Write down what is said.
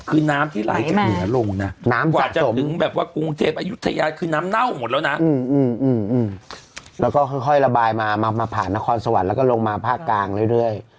อืมอืมอืมอืมแล้วก็ค่อยค่อยละบายมามามาผ่านนครสวรรค์แล้วก็ลงมาภาคกลางเรื่อยเรื่อย